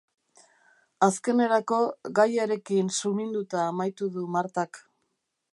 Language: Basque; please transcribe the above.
Azkenerako, gaiarekin suminduta amaitu du Martak.